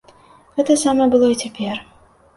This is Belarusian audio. Гэта самае было і цяпер.